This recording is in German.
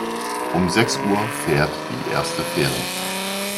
Um sechs Uhr fährt die erste Fähre.